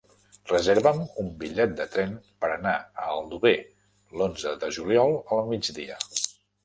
Reserva'm un bitllet de tren per anar a Aldover l'onze de juliol al migdia.